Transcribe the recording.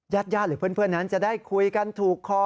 ญาติญาติหรือเพื่อนนั้นจะได้คุยกันถูกคอ